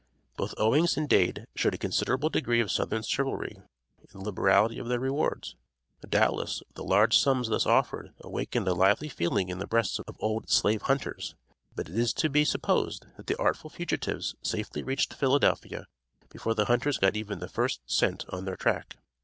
Both Owings and Dade showed a considerable degree of southern chivalry in the liberality of their rewards. Doubtless, the large sums thus offered awakened a lively feeling in the breasts of old slave hunters. But it is to be supposed that the artful fugitives safely reached Philadelphia before the hunters got even the first scent on their track.